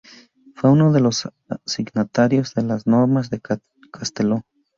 Fue uno de los signatarios de las Normas de Castelló.